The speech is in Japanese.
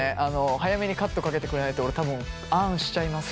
早めにカットかけてくれないと俺多分あんしちゃいます。